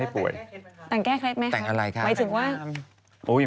โปร